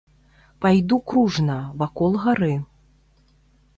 Пайду кружна, вакол гары.